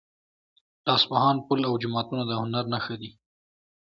د اصفهان پل او جوماتونه د هنر نښه دي.